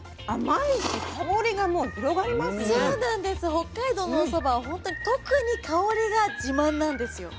北海道のおそばはほんとに特に香りが自慢なんですよ。